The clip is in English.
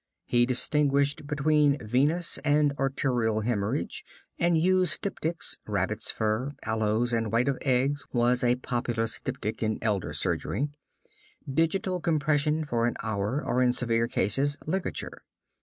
He distinguished between venous and arterial hemorrhage, and used styptics (rabbit's fur, aloes, and white of egg was a popular styptic in elder surgery), digital compression for an hour, or in severe cases ligature.